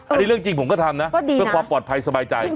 อันนี้เรื่องจริงผมก็ทำนะเพื่อความปลอดภัยสบายใจ